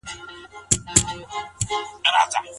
بې سنجشه پرېکړې تل د پښېمانۍ سبب ګرځي.